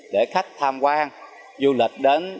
để khách tham quan du lịch đến